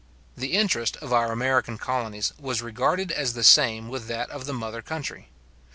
The interest of our American colonies was regarded as the same with that of the mother country.